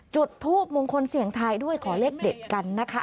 จุดทูบมงคลเสี่ยงทายด้วยขอเลขเด็ดกันนะคะ